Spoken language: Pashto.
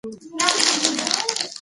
مور د خپلې کورنۍ د خوښۍ هیله لري.